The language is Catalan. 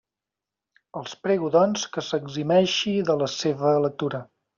Els prego, doncs, que s'eximeixi de la seva lectura.